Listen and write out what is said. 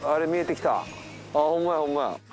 あっホンマやホンマや。